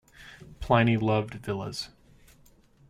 Pliny loved villas.